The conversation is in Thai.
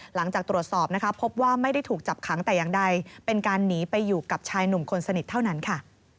หลังจากตรวจสอบนะคะพบว่าไม่ได้ถูกจับขังแต่อย่างใดเป็นการหนีไปอยู่กับชายหนุ่มคนสนิทเท่านั้นค่ะ